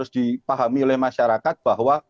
dipahami oleh masyarakat bahwa